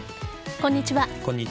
こんにちは。